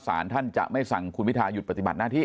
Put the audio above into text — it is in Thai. สารท่านจะไม่สั่งคุณพิทาหยุดปฏิบัติหน้าที่